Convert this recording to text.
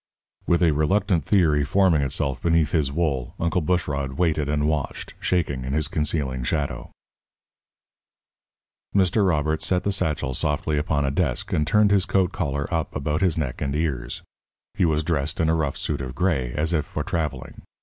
With a reluctant theory forming itself beneath his wool, Uncle Bushrod waited and watched, shaking in his concealing shadow. Mr. Robert set the satchel softly upon a desk, and turned his coat collar up about his neck and ears. He was dressed in a rough suit of gray, as if for travelling.